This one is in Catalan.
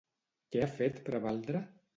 Què ha fet prevaldre?